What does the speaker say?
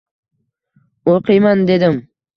O`qiyman, dedim